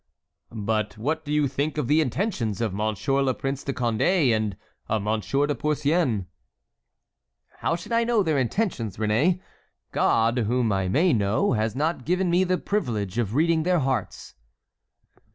"But what do you think of the intentions of Monsieur le Prince de Condé and of Monsieur de Porcian?" "How should I know their intentions, Réné? God, whom I may know, has not given me the privilege of reading their hearts."